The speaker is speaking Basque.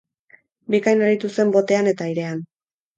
Bikain aritu zen botean eta airean.